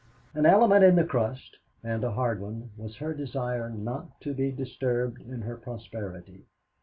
An element in the crust, and a hard one, was her desire not to be disturbed in her prosperity.